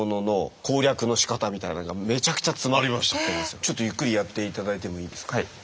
ちょっとゆっくりやって頂いてもいいですか。